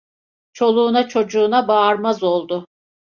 Çoluğuna çocuğuna bağırmaz oldu.